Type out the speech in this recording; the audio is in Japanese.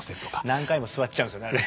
何回も座っちゃうんですよねあれ。